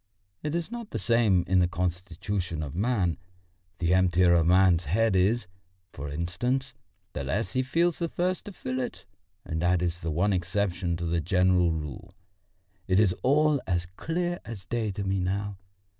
It is not the same in the constitution of man: the emptier a man's head is, for instance, the less he feels the thirst to fill it, and that is the one exception to the general rule. It is all as clear as day to me now.